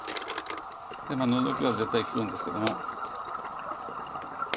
ノゾキは絶対利くんですけども。